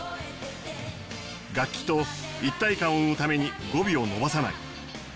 楽器と一体感を生むために語尾を伸ばさない。